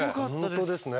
本当ですね。